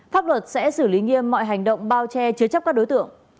pháp luật sẽ xử lý nghiêm mọi hành động bao che chứa chấp các đối tượng